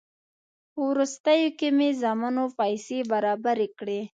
په وروستیو کې مې زامنو پیسې برابرې کړې.